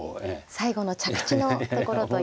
最後の着地のところという。